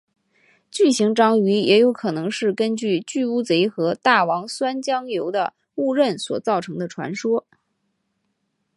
巨型章鱼也有可能是根据巨乌贼和大王酸浆鱿的误认所造成的传说。